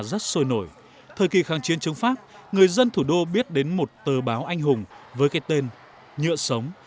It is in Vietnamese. rất sôi nổi thời kỳ kháng chiến chống pháp người dân thủ đô biết đến một tờ báo anh hùng với cái tên nhựa sống